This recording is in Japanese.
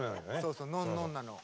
そうノンノンなの。